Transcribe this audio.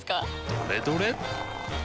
どれどれっ！